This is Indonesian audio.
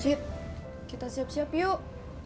sit kita siap siap yuk